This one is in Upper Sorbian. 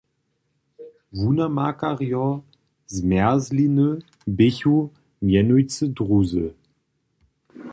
Wunamakarjo zmjerzliny běchu mjenujcy druzy!